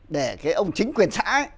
để cái ông chính quyền xã